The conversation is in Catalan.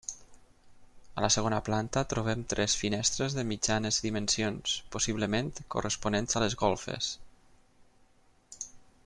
A la segona planta trobem tres finestres de mitjanes dimensions, possiblement corresponents a les golfes.